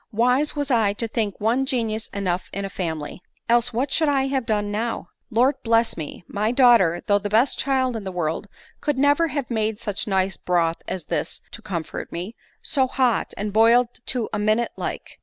Wise was I to think one genius enough in a family— else, what should I have done now ? Lord bless me ! my daughter, though the best child in the world, could never have made such nice broth as this to comfort me ; so hot, and boiled to a minute like